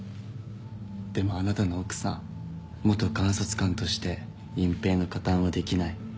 でもあなたの奥さん元監察官として隠蔽の加担はできない。